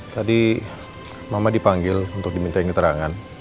tadi mama dipanggil untuk diminta ingin keterangan